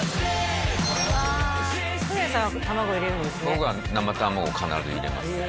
僕は生卵必ず入れますね